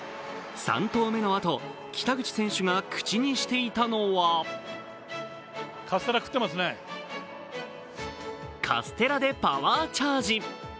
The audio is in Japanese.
３投目のあと、北口選手が口にしていたのはカステラでパワーチャージ。